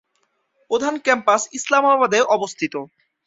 প্রধান ক্যাম্পাস ইসলামাবাদে অবস্থিত।